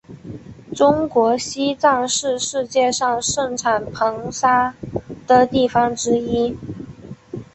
中国西藏是世界上盛产硼砂的地方之一。